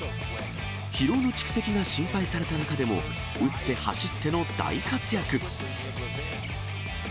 疲労の蓄積が心配された中でも、打って、走っての大活躍。